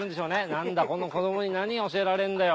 「何だこんな子供に何が教えられるんだよ。